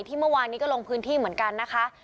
เมื่อวานนี้ก็ลงพื้นที่เหมือนกันนะคะ